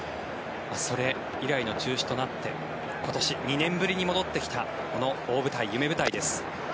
それ以来の中止となって今年、２年ぶりに戻ってきたこの大舞台、夢舞台です。